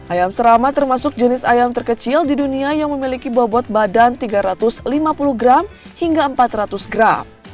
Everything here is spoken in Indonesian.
ayam serama termasuk jenis ayam terkecil di dunia yang memiliki bobot badan tiga ratus lima puluh gram hingga empat ratus gram